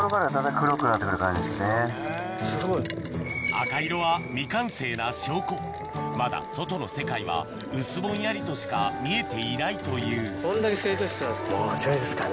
赤色は未完成な証拠まだ外の世界は薄ぼんやりとしか見えていないというこんだけ成長してたら。